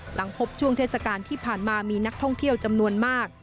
หลังพบช่วงเทศกาลที่ผ่านมามีนักท่องเที่ยวจำนวนมาก